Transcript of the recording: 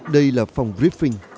đây là phòng briefing